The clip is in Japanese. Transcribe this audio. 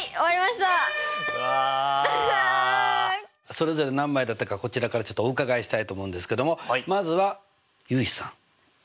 それぞれ何枚だったかこちらからお伺いしたいと思うんですけどもまずは結衣さん。